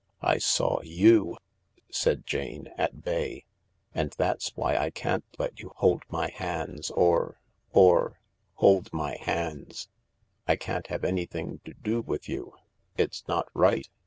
"I saw you/' said Jane, at bay — "and that's why I can't let you hold my hands or— or— hold my hands. I can't have anything to do with you. It's not right.